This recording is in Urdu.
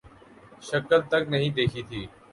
شکل تک نہیں دیکھی تھی